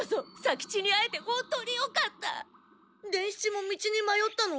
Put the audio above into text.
伝七も道にまよったの？